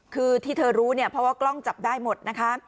คือที่เธอรู้เนี่ยเพราะว่ากล้องจับได้หมดนะคะ